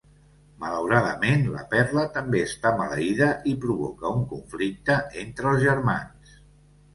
Malauradament, la perla també està maleïda i provoca un conflicte entre els germans.